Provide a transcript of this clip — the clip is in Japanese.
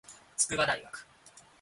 筑波大学